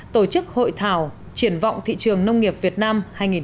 tổ chức hội thảo triển vọng thị trường nông nghiệp việt nam hai nghìn một mươi chín